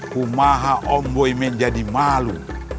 kumaha omboi menjadi malu